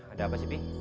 ada apa sih pi